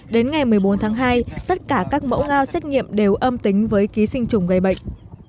đến ngày một mươi bốn tháng hai tất cả các mẫu ngao xét nghiệm đều âm tính với ký sinh trùng gây bệnh